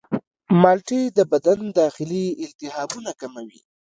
مالټې د بدن داخلي التهابات کموي.